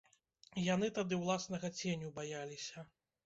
Яны тады ўласнага ценю баяліся.